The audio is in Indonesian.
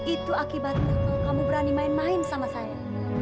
itu akibatnya kalau kamu berani main main sama saya